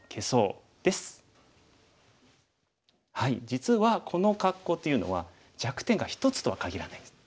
実はこの格好というのは弱点が一つとはかぎらないんです。